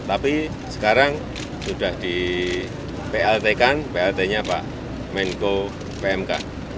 tapi sekarang sudah di plt kan plt nya pak menko pmk